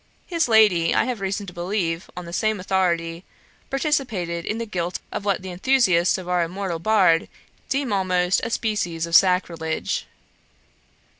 His lady, I have reason to believe, on the same authority, participated in the guilt of what the enthusiasts for our immortal bard deem almost a species of sacrilege.